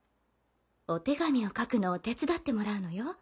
お手紙を書くのを手伝ってもらうのよ。